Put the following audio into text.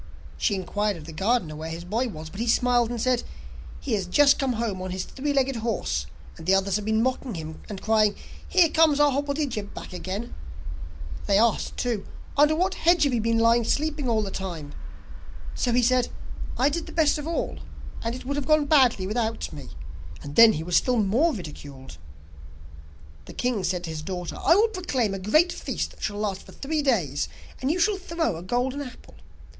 She inquired of the gardener where his boy was, but he smiled, and said: 'He has just come home on his three legged horse, and the others have been mocking him, and crying: "Here comes our hobblety jib back again!" They asked, too: "Under what hedge have you been lying sleeping all the time?" So he said: "I did the best of all, and it would have gone badly without me." And then he was still more ridiculed.' The king said to his daughter: 'I will proclaim a great feast that shall last for three days, and you shall throw a golden apple.